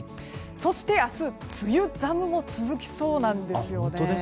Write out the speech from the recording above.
そして、明日は梅雨寒も続きそうなんです。